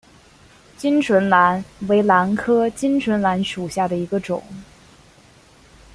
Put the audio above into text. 巾唇兰为兰科巾唇兰属下的一个种。